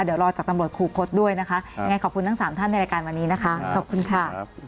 เดี๋ยวรอจากตำรวจครูคดด้วยนะคะยังไงขอบคุณทั้ง๓ท่านในรายการวันนี้นะคะขอบคุณค่ะ